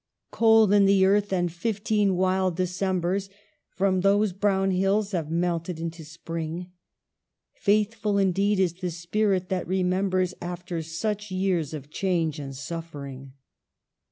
" Cold in the earth — and fifteen wild Decembers, From those brown hills, have melted into spring : Faithful, indeed, is the spirit that remembers After such years of change and suffering